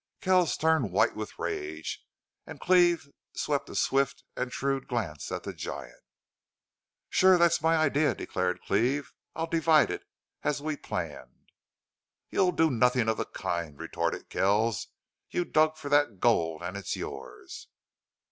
Kells turned white with rage, and Cleve swept a swift and shrewd glance at the giant. "Sure, that's my idea," declared Cleve. "I'll divide as as we planned." "You'll do nothing of the kind," retorted Kells. "You dug for that gold and it's yours."